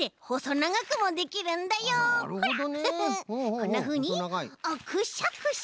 こんなふうにあっくしゃくしゃ。